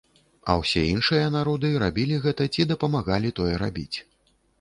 А ўсе іншыя народы рабілі гэта ці дапамагалі тое рабіць.